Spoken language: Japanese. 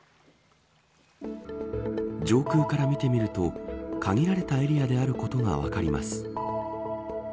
上空から見てみると限られたエリアであることが分かります。